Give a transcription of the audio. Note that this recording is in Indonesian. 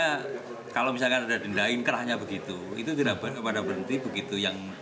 karena kalau misalkan ada denda inkrahnya begitu itu tidak berhenti begitu